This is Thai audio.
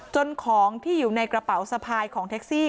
ของที่อยู่ในกระเป๋าสะพายของแท็กซี่